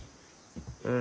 うん。